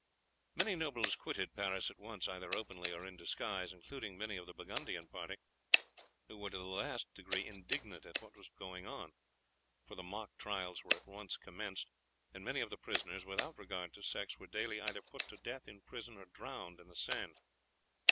Many nobles quitted Paris at once, either openly or in disguise, including many of the Burgundian party, who were to the last degree indignant at what was going on; for the mock trials were at once commenced, and many of the prisoners, without regard to sex, were daily either put to death in prison or drowned in the Seine.